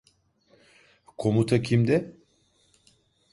Komuta kimde?